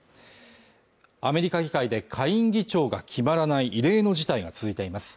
アメリカ議会で下院議長が決まらない異例の事態が続いています